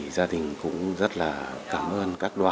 gia đình cũng rất là cảm ơn các đoàn